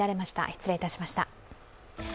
失礼いたしました。